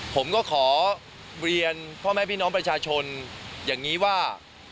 ผมก็ขอเรียนพ่อแม่พี่น้องประชาชนอย่างนี้ว่า